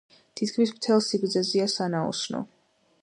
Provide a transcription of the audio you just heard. თითქმის მთელ სიგრძეზეა სანაოსნო.